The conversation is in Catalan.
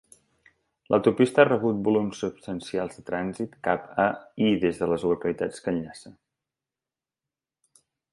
L'autopista ha rebut volums substancials de trànsit cap a i des de les localitats que enllaça.